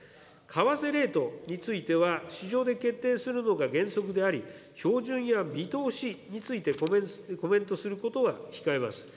為替レートについては、市場で決定するのが原則であり、標準や見通しについてコメントすることは控えます。